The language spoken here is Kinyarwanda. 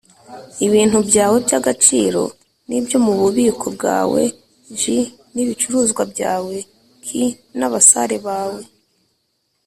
Ibintu byawe by agaciro n ibyo mu bubiko bwawe j n ibicuruzwa byawe k n abasare bawe